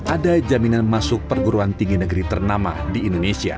ada jaminan masuk perguruan tinggi negeri ternama di indonesia